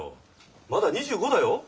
まだ２５だよ？